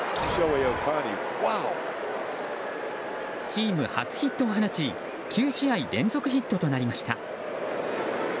チーム初ヒットを放ち９試合連続ヒットとなりました。